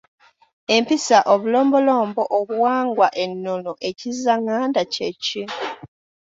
Empisa, obulombolombo, obuwangwa, ennono, ekizzaŋŋanda kye ki?